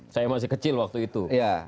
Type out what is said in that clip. saya masih kecil waktu itu